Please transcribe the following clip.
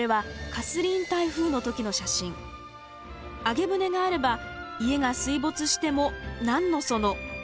揚舟があれば家が水没しても何のその。